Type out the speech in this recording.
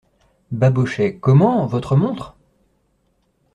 Babochet Comment ! votre montre ?